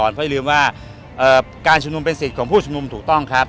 เพราะอย่าลืมว่าการชุมนุมเป็นสิทธิ์ของผู้ชุมนุมถูกต้องครับ